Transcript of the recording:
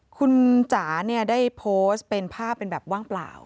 คุณจ๋าเนี่ยได้โพสต์เป็นภาพเป็นแบบว่างเปล่า